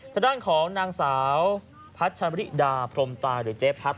ทางด้านของนางสาวพัชริดาพรมตาหรือเจ๊พัด